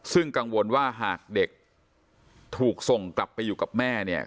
ซึ่งกังวลว่าหากเด็กถูกส่งกลับไปอยู่กับแม่เนี่ย